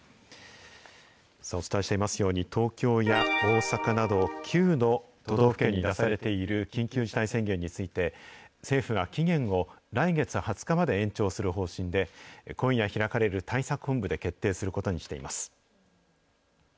お伝えしていますように、東京や大阪など、９の都道府県に出されている緊急事態宣言について、政府が期限を来月２０日まで延長する方針で、今夜開かれる対策本部で決定することにしています。